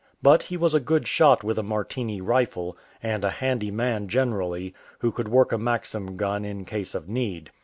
But he was a good shot with a Martini rifle, and a "handy man'" generally, who could work a Maxim gun in case of need.